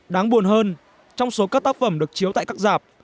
đáng buồn hơn trong số các tác phẩm được chiếu tại các giảp